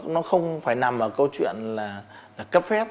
nó không phải nằm ở câu chuyện là cấp phép